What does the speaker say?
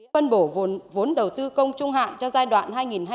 phân bổ vốn đầu tư công trung hạn giai đoạn hai nghìn hai mươi một hai nghìn hai mươi năm